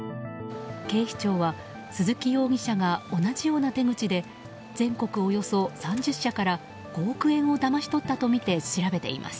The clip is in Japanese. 警視庁は鈴木容疑者が同じような手口で全国およそ３０社から５億円をだまし取ったとみて調べています。